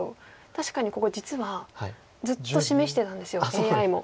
確かにここ実はずっと示してたんですよＡＩも。